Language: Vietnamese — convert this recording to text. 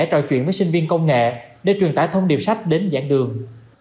trò chuyện với sinh viên công nghệ để truyền tải thông điệp sách đến dạng đường